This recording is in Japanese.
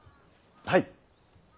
はい。